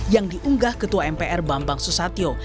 yang diunggah ketua mpr bambang susatyo